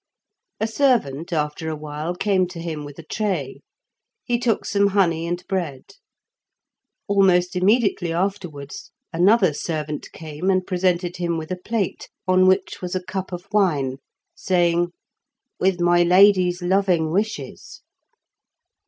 A servant after a while came to him with a tray; he took some honey and bread. Almost immediately afterwards another servant came and presented him with a plate, on which was a cup of wine, saying, "With my lady's loving wishes."